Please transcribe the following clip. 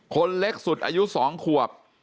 คนเล็กสุดอายุ๒ขวบ